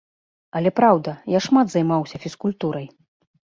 Але праўда, я шмат займаўся фізкультурай.